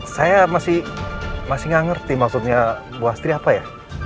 saya masih gak ngerti maksudnya bu astri apa ya